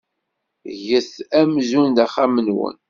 Get amzun d axxam-nwen.